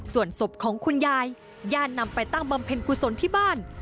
ส่วนศพของคุณยายญาตินำไปตั้งบำเพ็ญกุศลที่บ้าน